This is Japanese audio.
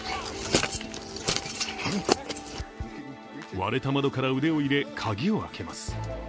割れた窓から腕を入れ鍵を開けます。